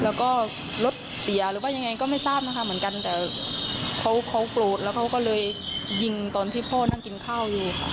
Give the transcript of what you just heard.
แล้วก็รถเสียหรือว่ายังไงก็ไม่ทราบนะคะเหมือนกันแต่เขาเขาโกรธแล้วเขาก็เลยยิงตอนที่พ่อนั่งกินข้าวอยู่ค่ะ